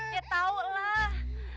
ya tau lah